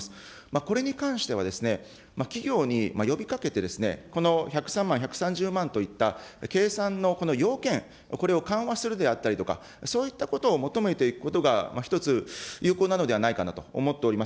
これに関しては、企業に呼びかけて、この１０３万、１３０万といった、計算のこの要件、これを緩和するであったりとか、そういったことを求めていくことが、一つ、有効なのではないかなと思っています。